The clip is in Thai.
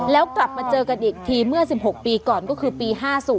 แล้วกลับมาเจอกันอีกทีเมื่อ๑๖ปีก่อนก็คือปี๕๐